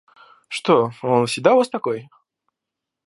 Что, он всегда у вас такой?